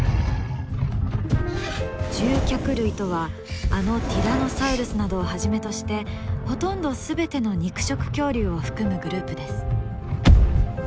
獣脚類とはあのティラノサウルスなどをはじめとしてほとんど全ての肉食恐竜を含むグループです。